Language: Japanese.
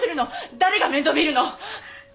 誰が面倒見るの？